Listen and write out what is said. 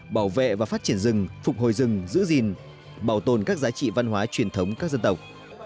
bảo vệ và phát triển rừng phục hồi rừng giữ gìn bảo tồn các giá trị văn hóa truyền thống các dân tộc